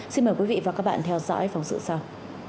xin mời quý vị và các bạn theo dõi phóng sự sau